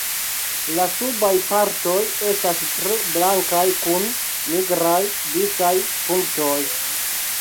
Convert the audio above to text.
La subaj partoj estas tre blankaj kun nigraj disaj punktoj.